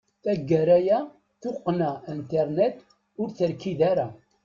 Taggara aya, tuqqna internet ur terkid ara.